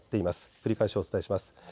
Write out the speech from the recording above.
繰り返しお伝えします。